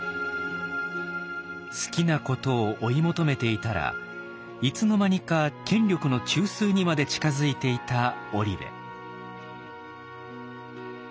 好きなことを追い求めていたらいつの間にか権力の中枢にまで近づいていた織部。